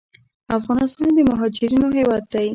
افغانستان د مهاجرینو هیواد دی